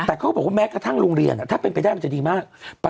แต่เขาก็บอกว่าแม้กระทั่งโรงเรียนถ้าเป็นไปได้มันจะดีมาก